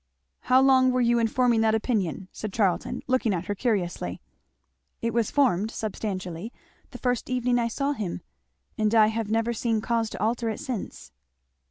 "How long were you in forming that opinion?" said Charlton looking at her curiously. "It was formed, substantially, the first evening I saw him, and I hare never seen cause to alter it since."